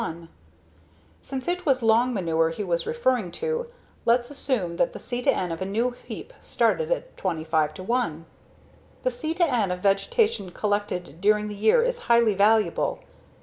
Since it was long manure he was referring to, let's assume that the C/N of a new heap started at 25:1. The C/N of vegetation collected during the year is highly variable.